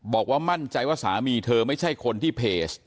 บอกว่ามั่นใจว่าสามีเธอไม่ใช่คนที่เพจ